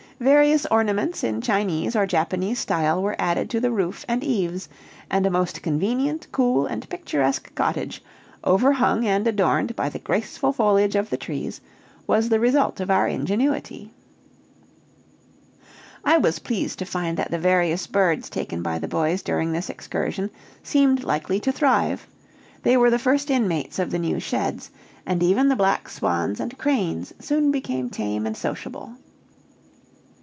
Various ornaments in Chinese or Japanese style were added to the roof and eaves, and a most convenient, cool, and picturesque cottage, overhung and adorned by the graceful foliage of the trees, was the result of our ingenuity. I was pleased to find that the various birds taken by the boys during this excursion seemed likely to thrive; they were the first inmates of the new sheds, and even the black swans and cranes soon became tame and sociable.